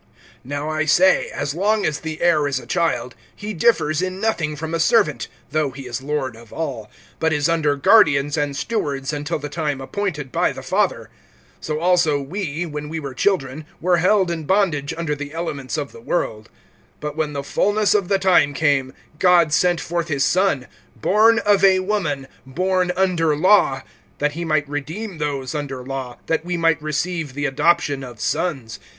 NOW I say, as long as the heir is a child, he differs in nothing from a servant though he is lord of all; (2)but is under guardians and stewards, until the time appointed by the father. (3)So also we, when we were children, were held in bondage under the elements[4:3] of the world. (4)But when the fullness of the time came, God sent forth his son, born of a woman, born under law, (5)that he might redeem those under law, that we might receive the adoption of sons.